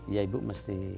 ya ibu mesti